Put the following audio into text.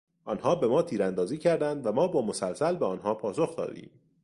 آنها به ما تیراندازی کردند و ما با مسلسل به آنها پاسخ دادیم.